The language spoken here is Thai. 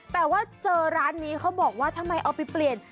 แต่ว่าเจอร้านนี้เขาบอกว่าทำไมเอาไปเปลี่ยน